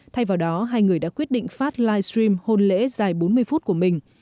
thay vào đó hai người đã quyết định phát livestream hôn lễ dài bốn mươi phút của mình